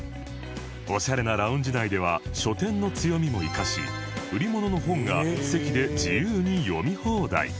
オシャレなラウンジ内では書店の強みも生かし売りものの本が席で自由に読み放題